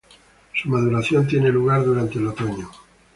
Su maduración tiene lugar durante el Otoño.